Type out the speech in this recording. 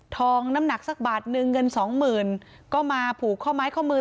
น้ำหนักสักบาทนึงเงินสองหมื่นก็มาผูกข้อไม้ข้อมือ